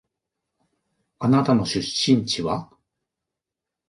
あなたの出身地は？